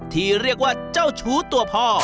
ที่เรียกว่าเจ้าชู้ตัวพ่อ